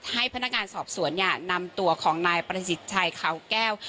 ให้พนักงานสอบสวนเนี่ยนำตัวของนายประสิทธิ์ชัยเขาแก้ว